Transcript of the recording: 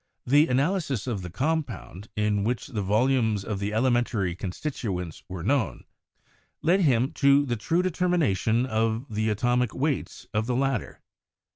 The analysis of the compound, in which the volumes of the elementary constituents were known, led him to the true determination of the atomic weights of the latter.